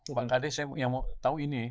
mbak kd saya mau tahu ini